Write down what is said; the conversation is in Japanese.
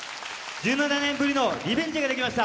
１７年ぶりのリベンジができました。